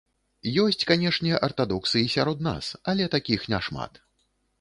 Ёсць, канешне, артадоксы і сярод нас, але такіх няшмат.